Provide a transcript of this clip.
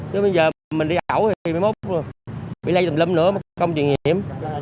chứ bây giờ mình đi ẩu thì mấy mốt bị lây tùm lum nữa mà không truyền hiểm